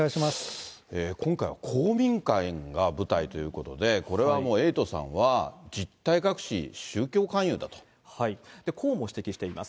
今回は公民館が舞台ということで、これはもう、エイトさんは、実態隠し、こうも指摘しています。